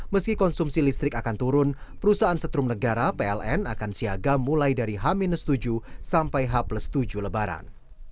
meski konsumsi listrik akan turun perusahaan setrum negara pln akan siaga mulai dari h tujuh sampai h tujuh lebaran